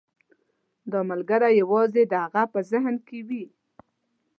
دا ملګری یوازې د هغه په ذهن کې وي.